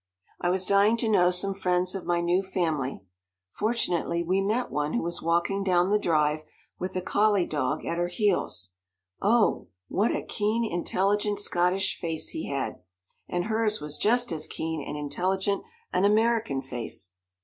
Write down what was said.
I was dying to know some friends of my new family. Fortunately we met one who was walking down the Drive with a collie dog at her heels. Oh! what a keen, intelligent Scottish face he had, and hers was just as keen and intelligent an American face.